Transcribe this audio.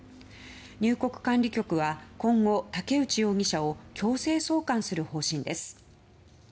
入国管理局は今後、タケウチ容疑者を強制送還する方針です。